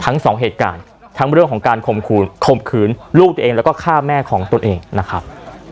ทั้งสองเหตุการณ์ทั้งเรื่องของการข่มขืนข่มขืนลูกตัวเองแล้วก็ฆ่าแม่ของตนเองนะครับ